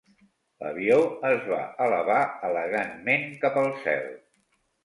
L'avió es va elevar elegantment cap al cel.